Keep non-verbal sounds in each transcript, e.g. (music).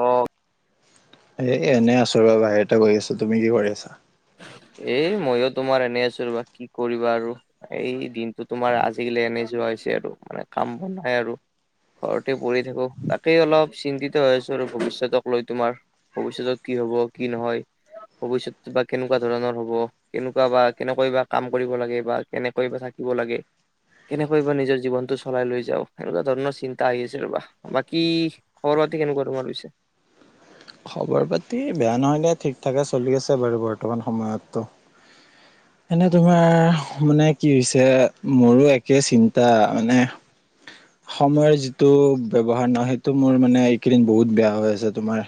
অ'। এ এনে আছো আৰু বাহিৰতে বহি আছোঁ। তুমি কি কৰি আছা? এ মইও তোমাৰ এনেই আছোঁ ৰবা, কি কৰিবা আৰু। এই দিনটো তোমাৰ আজিকালি এনে যোৱা হৈছে আৰু মানে কাম বন নাই আৰু। ঘৰতে পৰি থাকো তাতেই অলপ চিন্তিত হৈ আছো আৰু ভৱিষ্যতক লৈ তোমাৰ ভৱিষ্যতত কি হ'ব কি নহয় ভৱিষ্যতটো কেনেকুৱা ধৰণৰ হ'ব কেনেকুৱা বা কেনেকৈ বা কাম কৰিব লাগে বা কেনেকৈ বা থাকিব লাগে। কেনেকৈ বা নিজৰ জীৱনটো চলাই লৈ যাওঁ সেনেকুৱা ধৰণৰ চিন্তা আহি আছে ৰবা। বাকী খবৰ পাতি কেনেকুৱা তোমাৰ পিছে? খবৰ পাতি বেয়া নহয় দে ঠিক ঠাকে চলি আছে বাৰু বৰ্তমান সময়ত ত'। (inaudible) এনে তোমাৰ মানে কি হৈছে মোৰো একে চিন্তা, মানে সময়ৰ যিটো ব্যৱহাৰ ন সেইটো মোৰ মানে এইকেইদিন বহুত বেয়া হৈ আছে তোমাৰ।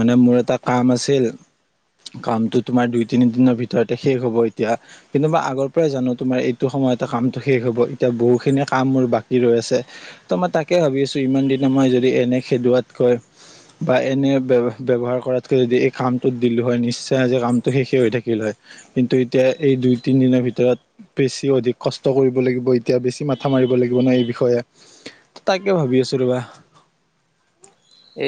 মানে মোৰ এটা কাম আছিল। কামটো তোমাৰ দুই তিনি দিনৰ ভিতৰতে শেষ হ'ব এতিয়া। কিন্তু মই আগৰ পৰাই জানো তোমাৰ এইটো সময়তে কামটো শেষ হ'ব, এতিয়া বহুখিনি কাম মোৰ বাকী ৰৈ আছে। ত' মই তাকে ভাবি আছোঁ ইমান দিনা মই যদি এনে খেদোৱাত কৈ বা এনে বে ব্যৱহাৰ কৰাতকৈ যদি এই কামটোত দিলো হয়, নিশ্চয় আজি কামটো শেষে হৈ থাকিল হয়। কিন্তু এতিয়া এই দুই তিন দিনৰ ভিতৰত বেছি অধিক কষ্ট কৰিব লাগিব এতিয়া, বেছি মাথা মাৰিব লাগিব ন এই বিষয়ে। তাকে ভাবি আছোঁ ৰবা।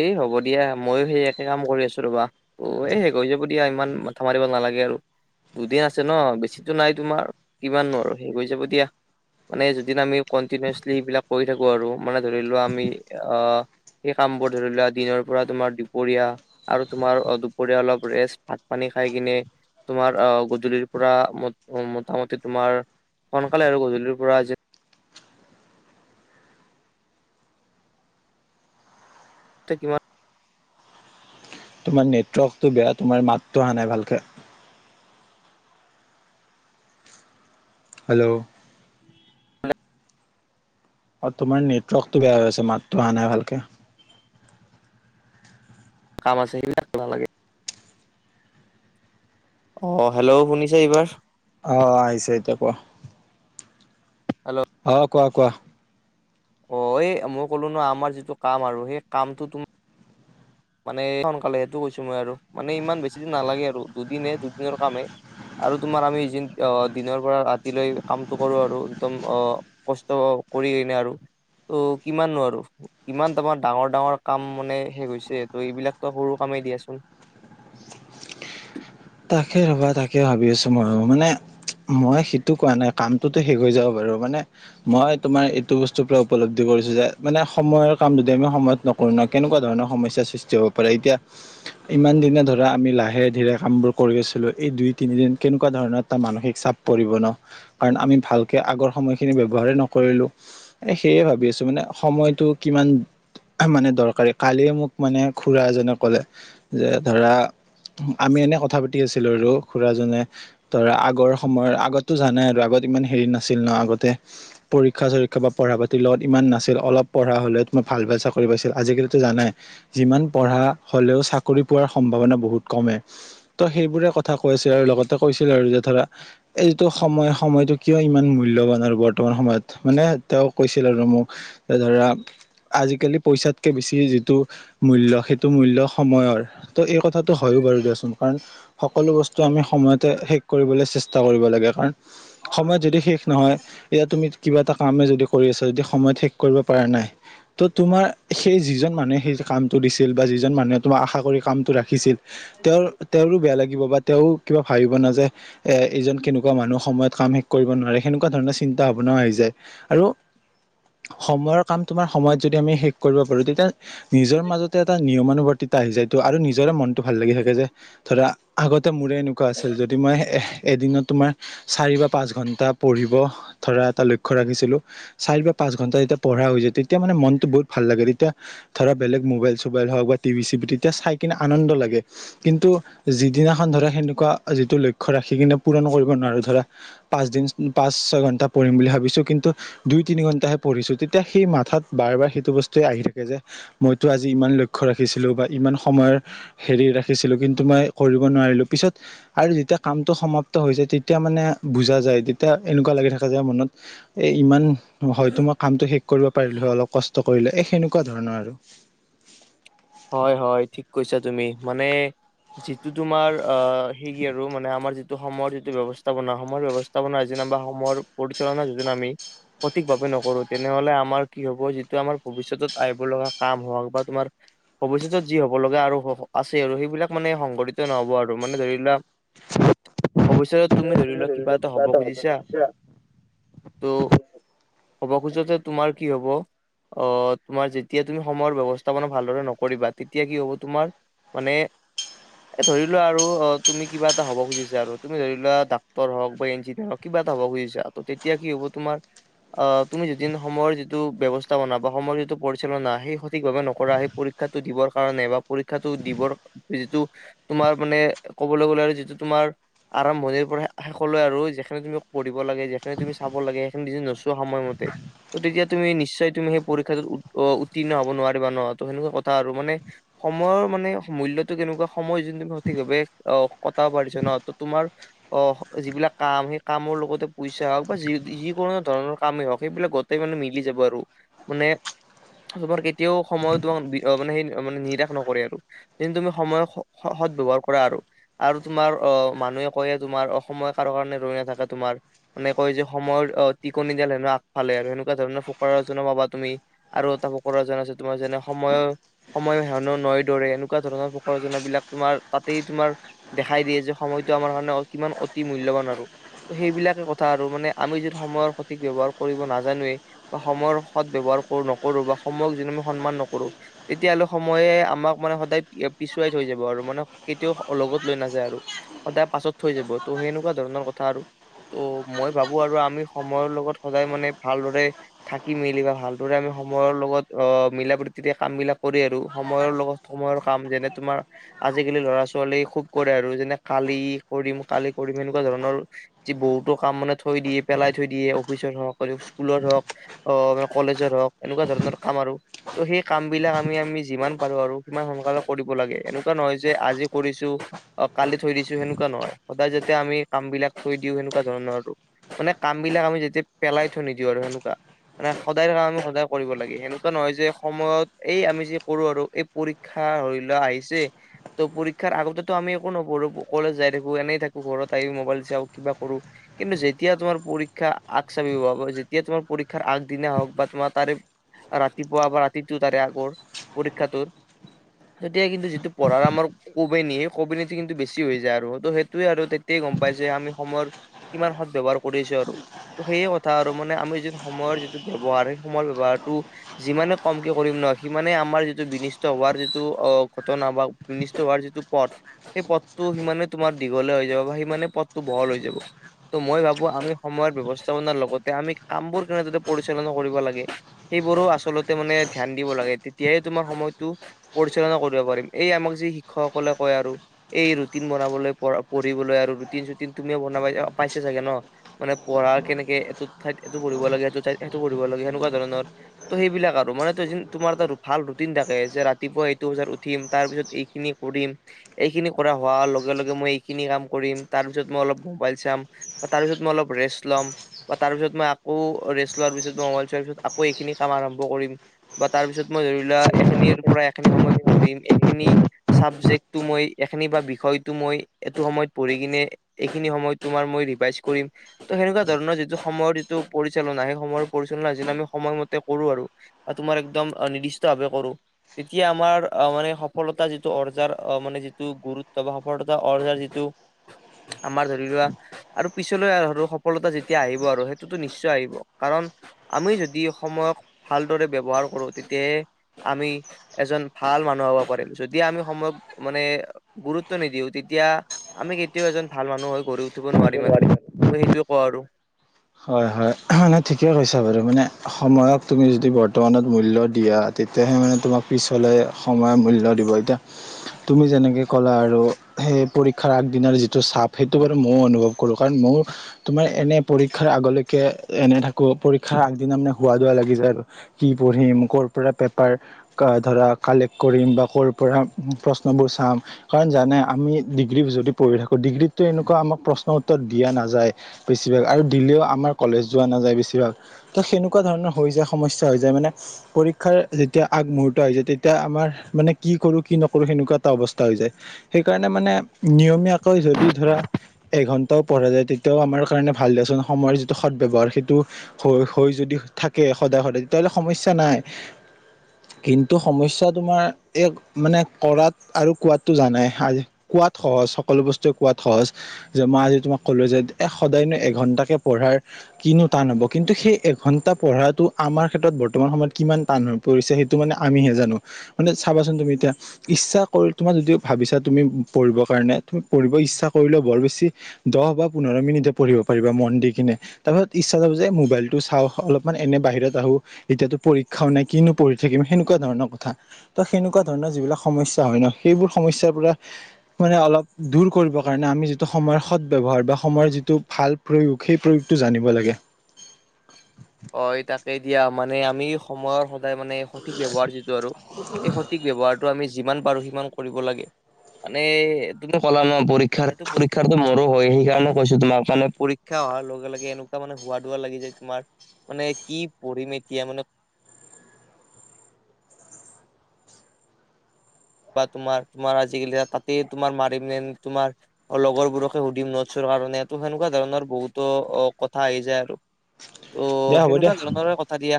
এই হ'ব দিয়া ময়ো সেই একে কাম কৰি আছোঁ ৰ'বা অ এই শেষ হৈ যাব দিয়া ইমান মাথা মাৰিব নালাগে আৰু দুদিন আছে ন বেছিতো নাই তোমাৰ কিমাননো আৰু শেষ হৈ যাব দিয়া মানে যদি আমি কন্টিনচলি এইবিলাক কৰি থাকো আৰু মানে ধৰি লোৱা আমি আহ সেই কামবোৰ ধৰি লোৱা দিনৰ পৰা তোমাৰ দুপৰীয়া আৰু তোমাৰ অ দুপৰীয়া অলপ ৰেষ্ট ভাত পানী খাই কিনে তোমাৰ অ গধলিৰ পৰা মট অ মোটামুটি তোমাৰ সোনকালে আৰু গধূলিৰ পৰা যে (unintelligible) কিমান তোমাৰ নেটৱৰ্কটো বেয়া তোমাৰ মাতটো অহা নাই ভালকে হেল্ল' অ তোমাৰ নেটৱৰ্কটো বেয়া হৈ আছে মাতটো অহা নাই ভালকে কাম আছে সেইবিলাক নালাগে অ হেল্ল'ও শুনিছে এইবাৰ অ অ' আহিছে এতিয়া কোৱা হেল্ল' অ কোৱা কোৱা। অ এই মই ক'লো ন আমাৰ যিটো কাম আৰু সেই কামটো তোম মানে সোনকালে সেইটো কৈছো মই আৰু মানে ইমান বেছি দিন নালাগে আৰু দুদিনহে দুদিনৰ কামে হে। আৰু তোমাৰ আমি জিন অ দিনৰ পৰা ৰাতিলৈ কামটো কৰো আৰু একদম অ কষ্ট কৰি কেনে আৰু ত কিমান নো আৰু কিমান তমাৰ ডাঙৰ-ডাঙৰ কাম মানে শেষ হৈছে ত' এইবিলাক তো সৰু কামেই দিয়াচোন তাকে ৰবা তাকে ভাবি আছো মইও মানে মই সেইটো কোৱা নাই কামটোতো শেষ হৈ যাব বাৰু মানে মই তোমাৰ এইটো বস্তুৰ পৰা উপলব্ধি কৰিছো যে মানে সময়ৰ কাম যদি আমি সময়ত ন কৰো ন কেনেকুৱা ধৰণৰ সমস্যাৰ সৃষ্টি হ'ব পাৰে এতিয়া ইমান দিনে ধৰা আমি লাহে ধীৰে কামবোৰ কৰি আছিলো এই দুই তিনিদিন কেনেকুৱা ধৰণৰ এটা মানসিক চাপ পৰিব ন কাৰণ আমি ভালকে আগৰ সময়খিনি ব্যৱহাৰেই নকৰিলো এ সেয়ে ভাবি আছো মানে সময়টো কিমান মানে দৰকাৰী কালিয়ে মোক মানে খুৰা এজনে ক'লে যে ধৰা আমি এনে কথা পাতি আছিলো আৰু খুৰা জনে ধৰা আগৰ সময়ৰ আগতো জানাই আৰু আগত ইমান হেৰি নাছিল ন আগতে পৰীক্ষা চৰীক্ষা বা পঢ়া পাতিৰ লগত ইমান নাছিল অলপ পঢ়া হ'লে তোমাৰ ভাল ভাল চাকৰি পাইছিল আজিকালিতো জানাই যিমান পঢ়া হ'লেও চাকৰি পোৱাৰ সম্ভাৱনা বহুত কমে। ত সেইবোৰে কথা কৈ আছিল আৰু লগতে কৈছিল আৰু যে ধৰা এইটো সময় সময়টো কিয় ইমান মূল্যবান আৰু বৰ্তমান সময়ত মানে তেওঁ কৈছিল আৰু মোক এই ধৰা আজিকালি পইচাতকে বেছি যিটো মূল্য সেইটো মূল্য সময়ৰ ত' এই কথাটো হয়ও বাৰু দিয়াচোন। কাৰণ সকলো বস্তু আমি সময়তে শেষ কৰিবলৈ চেষ্টা কৰিব লাগে কাৰণ সময়ত যদি শেষ নহয় এতিয়া তুমি কিবা এটা কামেই যদি কৰি আছা যদি সময় শেষ কৰিব পৰা নাই ত' তোমাৰ সেই যিজন মানুহে সেই কামটো দিছিল বা যিজন মানুহে তোমাৰ আশা কৰি কাম টো ৰাখিছিল তেওঁৰ তেওঁৰো বেয়া লাগিব বা তেওঁ কিবা ভাবিব না যে, এ এইজন কেনেকুৱা মানুহ সময়ত কাম শেষ কৰিব নোৱাৰে সেনেকুৱা ধৰণৰ চিন্তা ভাৱনাও আহি যায়। আৰু সময়ৰ কাম তোমাৰ সময়ত যদি আমি শেষ কৰিব পাৰো তেতিয়া নিজৰ মাজতে এটা নিয়মানুবৰ্তিতা আহি যায় ট আৰু নিজৰে মনতটো ভাল লাগি থাকে যে, ধৰা আগতে মোৰে এনেকুৱা আছিল। যদি মই এদিনত তোমাৰ চাৰি বা পাঁচ ঘণ্টা পঢ়িব ধৰা এটা লক্ষ্য ৰাখিছিলোঁ। চাৰি বা পাঁচ ঘণ্টা যেতিয়া পঢ়া হৈ যায়, তেতিয়া মানে মনতটো বহুত ভাল লাগে। তেতিয়া ধৰা বেলেগ মোবাইল চোবাইল হওক বা টিভি চিভি। তেতিয়া চাই কিনে আনন্দ লাগে কিন্তু যিদিনাখন ধৰা সেনেকুৱা যিটো লক্ষ্য ৰাখি কিনে পূৰণ কৰিব নোৱাৰো ধৰা পাঁচদিন পাঁচ ছয় ঘন্টা পঢ়িম বুলি ভাবিছো কিন্তু দুই তিনি ঘন্টাহে পঢ়িছো। তেতিয়া সেই মাথাত বাৰ বাৰ সেইটো বস্তুৱে আহি থাকে যে, মইতো আজি ইমান লক্ষ্য ৰাখিছিলো বা ইমান সময়ৰ হেৰি ৰাখি ৰাখিছিলো কিন্তু মই কৰিব নোৱাৰিলোঁ। পিছত আৰু যেতিয়া কামটো সমাপ্ত হৈ যায়, তেতিয়া মানে বুজা যায়। তেতিয়া এনেকুৱা লাগি থাকে যে মনত এ ইমান হয়তো মই কামটো শেষ কৰিব পাৰিলো হয় অলপ কষ্ট কৰিলে। এ সেনেকুৱা ধৰণৰ আৰু। হয় হয়, ঠিক কৈছা তুমি। মানে যিটো তোমাৰ অ' সেই কি আৰু মানে আমাৰ যিটো সময়ৰ যিটো ব্যৱস্থাপনা সময়ৰ ব্যৱস্থাপনা যেনিবা সময়ৰ পৰিচালনা যোজনা আমি সঠিক ভাৱে নকৰো। তেনেহলে আমাৰ কি হব যিটো আমাৰ ভৱিষ্যতত আহিব লগা কাম হওঁক বা তোমাৰ ভৱিষ্যতত যি হব লগা আৰু আছে আৰু সেইবিলাক মানে সংঘটিত নহব আৰু মানে ধৰি লোৱা ভৱিষ্যতত তুমি ধৰি লোৱা কিবা এটা হব খুজিছা? ত' হ'ব খোজোতে তোমাৰ কি হব? অ। তোমাৰ যেতিয়া তুমি সময়ৰ ব্যৱস্থাপনা ভালদৰে ন কৰিবা, তেতিয়া কি হ'ব তোমাৰ মানে এ ধৰি লোৱা আৰু অ তুমি কিবা এটা হব খুজিছা আৰু। তুমি ধৰি লোৱা ডাক্তৰ হওক বা ইঞ্জিনিয়াৰ হওক। কিবা এটা হ'ব খুজিছা। তেতিয়া কি হ'ব তোমাৰ অ তুমি দুদিন সময়ৰ যিটো ব্যৱস্থাপনা বা সময়ৰ যিটো পৰিচালনা। সেই সঠিকভাৱে নকৰা সেই শিক্ষাটো দিবৰ কাৰণে বা পৰীক্ষাটো দিবৰ যিটো তোমাৰ মানে ক'বলৈ গ'লে আৰু যিটো তোমাৰ আৰম্ভণিৰ পৰা শেষলৈ আৰু যিখিনি তুমি পঢ়িব লাগে, যিখিনি তুমি চাব লাগে সেইখিনি যদি নোচোৱা সময়মতে। গতিকে তুমি নিশ্চয় তুমি সেই পৰীক্ষাটোত উত্তীৰ্ণ হ'ব নোৱাৰিবা ন। ত' সেনেকুৱা কথা আৰু মানে সময়ৰ মানে মূল্যটো কেনেকুৱা, নসময় যোনটো তুমি সঠিকভাৱে অ কটাব পাৰিছা ন। ত' তোমাৰ অ যিবিলাক কাম, সেই কামৰ লগতে পইচা হওক বা যি যিকোনো ধৰণৰ কামেই হওক। সেইবিলাক তাই মানে মিলি যাব আৰু মানে তোমাৰ কেতিয়াও সময় তোমাক অ মানে সেই মানে নিৰাশ নকৰে আৰু কিন্ত তুমি সময় সৎ ব্যয়ৱহাৰ কৰা আৰু। আৰু তোমাৰ অ মানুহে কয় তোমাৰ, অসময় কাৰো কাৰণে ৰৈ নাথাকে তোমাৰ। মানে কয় যে সময়ৰ টিকনি দাল হেনো আগফালে আৰু সেনেকুৱা ধৰণৰ ফুকৰা যুজনা পাবা তুমি। আৰু এটা (unintelligible) আছে তোমাৰ যেনে, সময়ৰ সময়ৰ হেয়নো নৈ দৰে। এনেকুৱা ধৰণৰ ফকৰা যুনা বিলাক, তোমাৰ তাতেই তোমাৰ দেখাই দিয়ে যে, সময়টো আমাৰ কাৰণে কিমান অতি মূল্যবান আৰু। ত' সেইবিলাকে কথা আৰু মানে আমি যিটো সময়ৰ সঠিক ব্যৱহাৰ কৰিব নাজানোৱেই বা সময়ৰ সত ব্যয়ৱহাৰ কৰো নকৰো বা সময়ক যোনে মই সন্মান নকৰো। তেতিয়া হলে সময়ে আমাক মানে সদায় পিছুৱাই থৈ যাব আৰু মানে কেতিয়াও লগত লৈ নাযায় আৰু। সদায় পাছত থৈ যাব। ত' সেনেকুৱা ধৰণৰ কথা আৰু। ত' মই ভাবো আৰু আমি সময়ৰ লগত সদায় মানে ভালদৰে থাকি মেলি বা ভালদৰে আমি সময়ৰ লগত অ মিলা প্ৰতি তেতিয়া কাম বিলাক কৰি আৰু সময়ৰ লগত সময়ৰ কাম, যেনে তোমাৰ আজিকালি ল'ৰা ছোৱালীয়ে খুব কৰে আৰু যেনে, কালি কৰিম কালি কৰিম এনেকুৱা ধৰণৰ যি বহুতো কাম মানে থৈ দিয়ে, পেলাই থৈ দিয়ে। অফিচত হওক আৰু স্কুলত হওক। অ', কলেজৰ হওক এনেকুৱা ধৰণৰ কাম আৰু ত' সেই কাম বিলাক আম আমি আমি যিমান পাৰোঁ আৰু সিমান সোনকালে কৰিব লাগে, এনেকুৱা নহয় যে আজি কৰিছোঁ অ', কালি থৈ দিছো সেনেকুৱা নহয় সদায় যেতিয়া আমি কাম বিলাক থৈ দিও সেনেকুৱা ধৰণৰ আৰু। মানে কাম বিলাক আমি যেতিয়া পেলাই থৈ নিদিও আৰু সেনেকুৱা। মানে সদায় কাম আমি সদায় কৰিব লাগে সেনেকুৱা নহয় যে সময়ত এই আমি যে কৰোঁ আৰু এই পৰীক্ষা ধৰি লোৱা আহিছে ত' পৰীক্ষাৰ আগতেতো আমি একো নপঢ়ো কলেজ যাই থাকো, এনেই থাকো ঘৰত আহি মবাইল চাওঁ কিবা কৰোঁ। কিন্তু যেতিয়া তোমাৰ পৰীক্ষা আগ চাপিব যেতিয়া তোমাৰ পৰীক্ষাৰ আগদিনা হওক বা তোমাৰ তাৰে আৰু ৰাতিপুৱা বা ৰাতিটো তাৰে আগৰ পৰীক্ষাটোত তেতিয়া কিন্তু যিটো পঢ়াৰ আমাৰ কোবেনী সেই কোবেনীটো কিন্তু বেছি হৈ যায় আৰু ত' সেইটোয়ে আৰু তেতিয়াই গম পাই যে আমি সময়ৰ কিমান সত ব্যৱহাৰ কৰি আছো আৰু। ত' সেইয়ে কথা আৰু মানে আমি যিটো সময়ৰ যিটো ব্যৱহাৰ সেই সময়ৰ ব্যৱহাৰতটো যিমানে কম তেওঁ কৰিম ন সিমানে আমাৰ যিটো বিনিষ্ট হোৱাৰ যিটো অ', ঘটনা বা বিনিষ্ট হোৱাৰ যিটো পথ সেই পথটো সিমানে তোমাৰ দীঘলে হৈ যাব বা সিমানে পথটো বহল হৈ যাব। ত' মই ভাবো আমি সময়ৰ ব্যৱস্থাপনাৰ লগতে আমি কামবোৰ কেনেদৰে পৰিচালনা কৰিব লাগে সেইবোৰো আচলতে মানে ধ্যান দিব লাগে তেতিয়াহে তোমাৰ সময়তো পৰিচালনা কৰিব পাৰিম। এই আমাক যি শিক্ষকসকলে কয় আৰু এই ৰুটিন বনাবলৈ পঢ়া-পঢ়িবলৈ আৰু ৰুটিন চুটিন তুমিও বনাব পাইছে চাগে ন? মানে পঢ়া কেনেকে এইটো ঠাইত এইটো পঢ়িব লাগে এইটো ঠাইত সেইটো পঢ়িব লাগে সেনেকুৱা ধৰণৰ। ত' সেইবিলাক আৰু মানে তোমাৰ এটা ভাল ৰুটিন থাকে যে ৰাতিপুৱা এইটো বজাত উঠিম তাৰ পিছত এইখিনি কৰিম এইখিনি কৰা হোৱাৰ লগে লগে মই এইখিনি কাম কৰিম তাৰ পিছত মই অলপ মোবাইল চাম। তাৰপিছত মই অলপ ৰেষ্ট ল'ম। বা তাৰপিছত মই আকৌ ৰেষ্ট লোৱাৰ পিছত মই মোবাইল চোৱাৰ পিছত আকৌ এইখিনি কাম আৰম্ভ কৰিম। বা তাৰপিছত মই ধৰিলোৱা এখিনিৰ পৰা এখিনি সময় পঢ়িম, এইখিনি চাবজেক্টটো মই এখিনি বা বিষয়টো মই এইটো সময়ত পঢ়ি কিনে এইখিনি সময়ত তোমাৰ মই ৰিভাইজ কৰিম। ত' সেনেকুৱা ধৰণৰ যিটো সময়ৰ যিটো পৰিচালনা সেই সময়ৰ পৰিচালনা যদি আমি সময়মতে কৰোঁ আৰু অ', তোমাৰ একদম নিৰ্দিষ্ট ভাৱে কৰোঁ। তেতিয়া আমাৰ অ', মানে সফলতা যিটো অৰ্জাৰ অ', মানে যিটো গুৰুত্ব বা সফলতা অৰ্জাৰ যিটো আমাৰ ধৰি লোৱা আৰু পিছলৈ আৰু সফলতা যেতিয়া আহিব আৰু সেইটোতো নিশ্চয় আহিব, কাৰণ আমি যদি সময়ক দৰে ব্যৱহাৰ কৰো তেতিয়াহে আমি এজন ভাল মানুহ হব পাৰিম, যদি আমি সময়ক মানে গুৰুত্ব নিদিও তেতিয়া আমি কেতিয়াও এজন ভাল মানুহ হৈ গৌৰ উঠিব কৰিব নোৱাৰিম আৰু নোৱাৰিবা মই সেইটোৱে কওঁ আৰু। হয় হয়, মানে ঠিকে কৈছা বাৰু মানে সময়ক তুমি যদি বৰ্তমানত মূল্য দিয়া তেতিয়াহে মানে তোমাক পিছলৈ সময়ে মূল্য দিব, এতিয়া তুমি যেনেকে ক'লা আৰু সেই পৰীক্ষাৰ আগদিনাৰ যিটো চাপ সেইটো বাৰু ময়ো অনুভৱ কৰোঁ, কাৰণ মও তোমাৰ এনে পৰীক্ষাৰ আগলৈকে এনে থাকো পৰি আগদিনা মানে হোৱা দোৱা লাগি যায়, কি পঢ়িম ক'ৰ পৰা পেপাৰ ধৰা কালেক্ট কৰিম বা ক'ৰ পৰা প্ৰশ্নবোৰ চাম। কাৰণ জানাই আমি ডিগ্ৰী যদি পঢ়ি থাকো ডিগ্ৰীতটো এনেকুৱামাক প্ৰশ্ন উত্তৰ দিয়া নাযায় বেছিভাগ আৰু দিলেও আমাৰ কলেজ যোৱা নাযায় বেছিভাগ তো সেনেকুৱা ধৰণৰ হৈ যায় সমস্যা হৈ যায় মানে পৰীক্ষাৰ যেতিয়া আগমুহুৰ্ত আহিছে তেতিয়া আমাৰ মানে কি কৰো কি নকৰো সেনেকুৱা এটা অৱস্থা হৈ যায় সেইকাৰণে মানে নিয়মীয়াকৈ যদি ধৰা এঘন্টাও পঢ়া যায় তেতিয়াও আমাৰ কাৰণে ভাল দদিয়াচোন সময়ৰ যিটো সদব্যৱহাৰ সেইটো হৈ হৈ যদি থাকে সদায় সদায় তেতিয়াহলে সমস্যা নাই কিন্তু সমস্যা তোমাৰ এক মানে কৰাত আৰু কোৱাতো জানাই কোৱাত সহজ সকলো বস্তুৱে কোৱাত সহজ যে মই আজি তোমাক ক'লো যে এ সদায়নো এঘন্টাকে পঢ়াৰ কিনো টান হ'ব কিন্তু সেই এঘন্টা পঢ়াটো আমাৰ ক্ষেত্ৰত বৰ্তমান সময়ত কিমান টান হয় পৰিছে সেইটো মানে আমিহে জানো মানে চাবাচোন তুমি এতিয়া ইচ্ছা কৰি তোমাৰ যদি ভাবিছা তুমি পঢ়িবৰ কাৰণে তুমি পঢ়িব ইচ্ছা কৰিলে বৰ বেছি দহ বা পোন্ধৰ মিনিটে পঢ়িব পাৰিবা মন দি কিনে তাৰপিছত ইচ্ছা যাব যে মোবাইলটো চাওঁ অলপমান এনে বাহিৰত আহো এতিয়াতো পৰীক্ষাও নাই কিনো পঢ়ি থাকিম সেনেকুৱা ধৰণৰ কথা ত সেনেকুৱা ধৰণৰ যিবিলাক সমস্যা হয় ন সেইবোৰ সমস্যা পৰা পৰা অলপ দূৰ কৰিবৰ কাৰণে আমি যিটো সময়ৰ সদ ব্যয়ৱহাৰ বা সময়ৰ যিটো ভাল প্ৰয়োগ সেই প্ৰয়োগটো জানিব লাগে হয় তাকে দিয়া মানে আমি সময়ৰ সদায় মানে সঠিক ব্যৱহাৰ যিটো আৰু এই সঠিক ব্যৱহাৰটো আমি যিমান পাৰো সিমান কৰিব লাগে মানে তুমি কলা ন পৰীক্ষাৰ সেইটো পৰীক্ষাৰটো মৰো হয় সেইকাৰণে কৈছো তোমাক মানে পৰী ক্ষাৰ হোৱা লগে লগে এনেকুৱা মানে হোৱা-দোৱা লাগি যাই তোমাৰ মানে কি পঢ়িম এতিয়া মানে বা তোমাৰ তোমাৰ আজিকালি তাতে তোমাৰ মাৰিম মেন তোমাৰ লগৰবোৰকে সুধিম নটছৰ কাৰনে সেনেকুৱা ধৰণৰ বহুতো অ কথা আহি যায় আৰু ত দিয়া হ'ব দিয়া সেনেকুৱা ধৰণৰে কথা দিয়া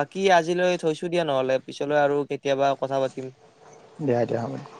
বাক কি আজিলৈ থৈছো দিয়া নহ'লে পিছলৈ আৰু কেতিয়াবা কথা পাতিম দিয়া দিয়া হব দিয়া